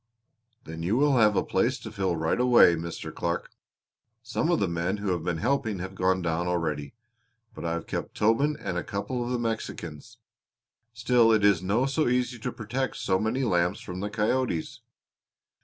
"Then you will have a place to fill right away, Mr. Clark. Some of the men who have been helping have gone down already, but I have kept Tobin and a couple of the Mexicans. Still it is no so easy to protect so many lambs from the coyotes.